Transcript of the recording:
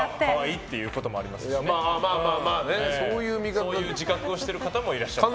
そういう自覚をしている方もいらっしゃった。